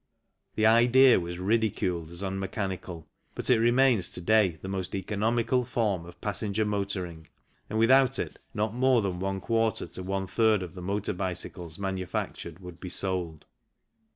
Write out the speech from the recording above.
The idea was ridiculed as un mechanical, but it remains to day the most economical form of passenger motoring and without it not more than one quarter to one third of the motor bicycles manu factured would be sold.